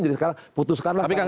jadi sekarang putuskanlah secara hukum